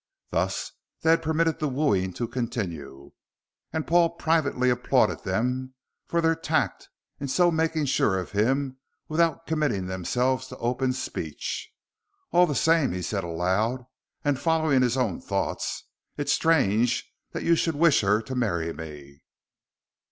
Thus they had permitted the wooing to continue, and Paul privately applauded them for their tact in so making sure of him without committing themselves to open speech. "All the same," he said aloud, and following his own thoughts, "it's strange that you should wish her to marry me."